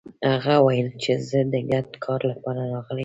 هغه ويل چې زه د ګډ کار لپاره راغلی يم.